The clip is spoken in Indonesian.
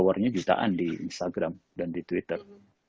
powernya jutaan di instagram dan di twitter